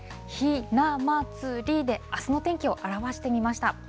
ひなまつりで、あすの天気を表してみました。